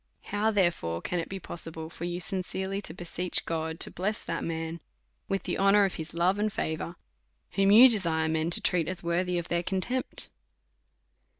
How therefore can it be possi ble for you sincerely to beseech God to bless that man with the honour of his love and favour, whom you de sire men to treat as worthy of their contempt?